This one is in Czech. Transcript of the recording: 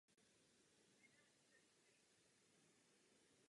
Byl následně zatčen.